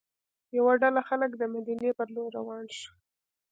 یوه ډله خلک د مدینې پر لور روان شول.